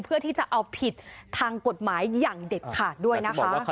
เพื่อที่จะเอาผิดทางกฎหมายอย่างเด็ดขาดด้วยนะคะ